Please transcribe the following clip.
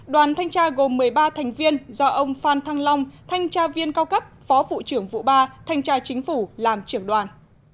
đoàn thanh tra gồm một mươi ba thành viên do ông phan thăng long thanh tra viên cao cấp phó vụ trưởng vụ ba thanh tra chính phủ làm trưởng đoàn